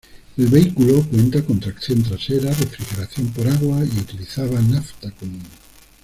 El vehículo cuenta con tracción trasera, refrigeración por agua y utilizaba nafta común.